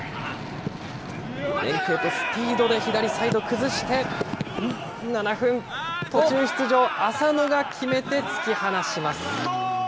連係とスピードで左サイドを崩して、７分、途中出場、浅野が決めて突き放します。